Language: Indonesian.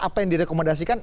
apa yang direkomendasikan